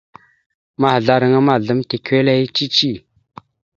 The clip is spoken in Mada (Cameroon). Mahəzlaraŋa ma, azlam tikweleya cici.